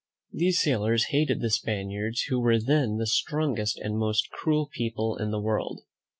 These sailors hated the Spaniards, who were then the strongest and most cruel people in the world.